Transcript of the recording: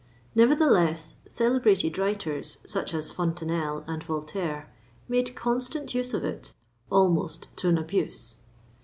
Nevertheless, celebrated writers such as Fontenelle and Voltaire made constant use of it, almost to an abuse.